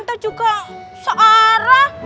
atau juga searah